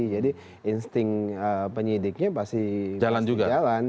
jadi insting penyidiknya pasti jalan